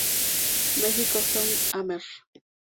Mexico South Amer.